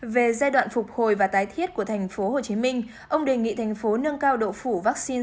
về giai đoạn phục hồi và tái thiết của tp hcm ông đề nghị thành phố nâng cao độ phủ vaccine